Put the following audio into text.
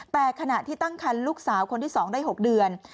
แต่ขณะที่ตั้งคันลูกสาวคนที่๒ได้๖เดือน